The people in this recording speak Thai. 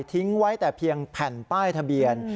ทิ้งไว้แต่เพียงแผ่นป้ายทะเบียน